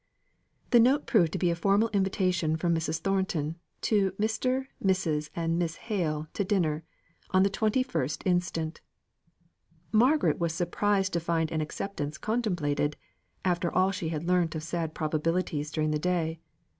The note proved to be a formal invitation from Mrs. Thornton, to Mr., Mrs., and Miss Hale to dinner, on the twenty first instant. Margaret was surprised to find an acceptance contemplated, after all she had learnt of sad probabilities during the day.